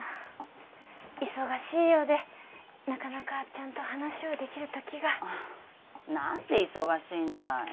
忙しいようでなかなかちゃんと話をできるときが何で忙しいんだい